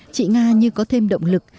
chị nga như có thêm động lực